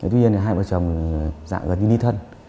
tuy nhiên hai mẹ chồng dạng gần như ni thân